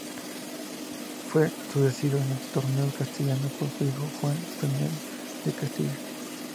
Fue sucedido en el trono castellano por su hijo, Juan I de Castilla.